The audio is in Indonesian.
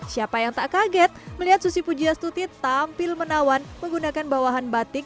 siapa yang tak kaget melihat susi pujiastuti tampil menawan menggunakan bawahan batik